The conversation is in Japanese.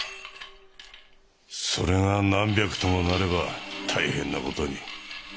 それが何百ともなれば大変な事に。